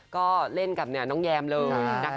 ก็เล่นกับน้องแยมเลยนะคะ